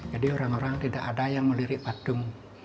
jadi orang orang tidak ada yang melirik patung